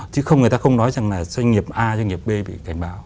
chứ không người ta không nói rằng là doanh nghiệp a doanh nghiệp b bị cảnh báo